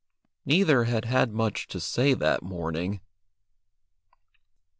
Neither had had much to say that morning.